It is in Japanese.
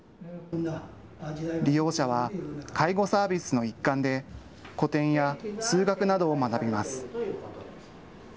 利用者は介護サービスの一環で古典や数学などを学びます。